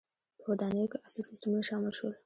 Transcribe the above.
• په ودانیو کې عصري سیستمونه شامل شول.